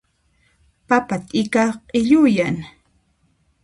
Papa t'ika q'illuyan.